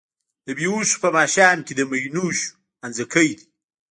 د بــــــې هــــــوښو په ماښام کي د مینوشو انځکی دی